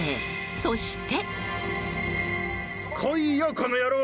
そして。